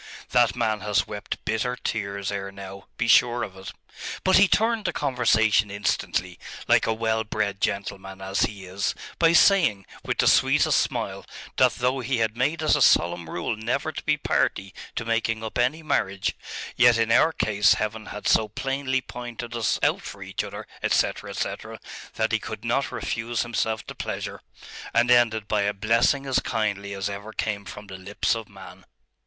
That man has wept bitter tears ere now, be sure of it.... But he turned the conversation instantly, like a well bred gentleman as he is, by saying, with the sweetest smile, that though he had made it a solemn rule never to be a party to making up any marriage, yet in our case Heaven had so plainly pointed us out for each other, etc. etc., that he could not refuse himself the pleasure.... and ended by a blessing as kindly as ever came from the lips of man.